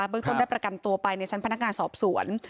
เรื่องต้นได้ประกันตัวไปในชั้นพนักงานสอบสวน